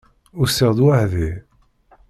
Usiɣ-d weḥd-i.